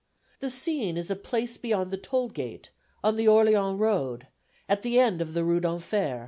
The scene is a place beyond the toll gate, on the Orleans road, at the end of the Rue d'Enfer.